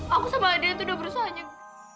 aku sama adel itu udah berusaha nyeg